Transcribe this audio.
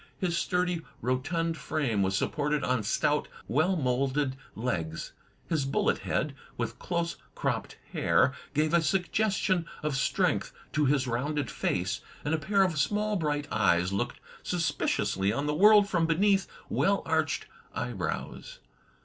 His sturdy, rotund frame was supported on stout, well moulded legs. His bullet head, with close cropped hair, gave a suggestion of strength to his rounded face, and a pair of small bright eyes looked suspiciously on the world from beneath well arched eyebrows.